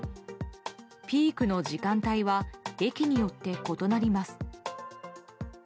ピークの時間帯は駅によって異なります。